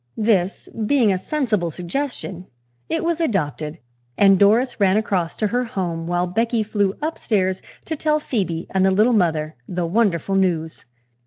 This being a sensible suggestion, it was adopted and Doris ran across to her home while Becky flew upstairs to tell Phoebe and the Little Mother the wonderful news.